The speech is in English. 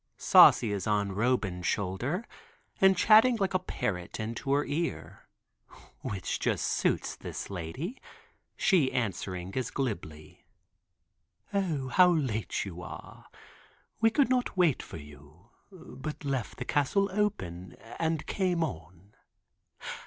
Saucy is on Roban's shoulder, and chatting like a parrot into her ear, which just suits this lady, she answering as glibly. "O, how late you are! We could not wait for you, but left the castle open and came on.